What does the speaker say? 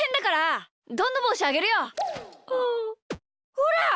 ほら！